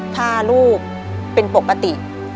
พาลูกเป็นปกติ